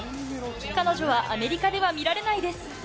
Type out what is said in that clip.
彼女はアメリカでは見られないです。